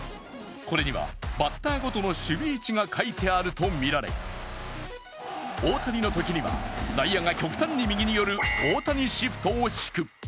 これにはバッターごとの守備位置が書いてあるとみられ大谷のときには、内野が極端に右に寄る大谷シフトを敷く。